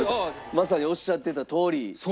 まさにおっしゃってたとおり１４６万枚。